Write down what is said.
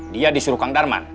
dia disuruh kang darman